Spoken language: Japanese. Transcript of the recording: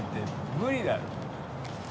無理だろ。